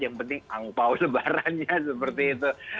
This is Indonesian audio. yang penting angpau lebarannya seperti itu